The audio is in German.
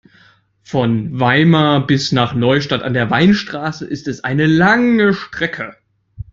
Von Weimar bis nach Neustadt an der Weinstraße ist es eine lange Strecke